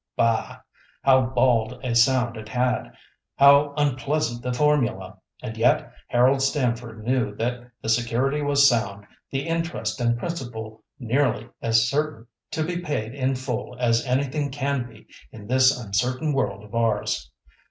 Bah! how bald a sound it had! How unpleasant the formula! And yet Harold Stamford knew that the security was sound, the interest and principal nearly as certain to be paid in full as anything can be in this uncertain world of ours.